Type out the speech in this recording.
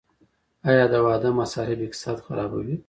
آیا د واده مصارف اقتصاد خرابوي؟